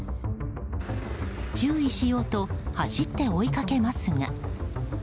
注意しようと走って追いかけますが。